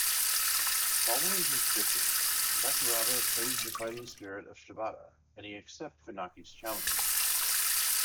Following his victory, Sakuraba praised the fighting spirit of Shibata and accepted Funaki's challenge.